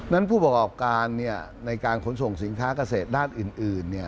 นั้นผู้ประกอบการในการขนส่งสินค้ากระเศษด้านอื่น